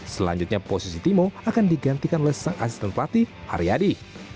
selanjutnya posisi timo akan digantikan oleh sang asisten pelatih aryadi